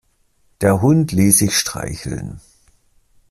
Der Hund ließ sich streicheln.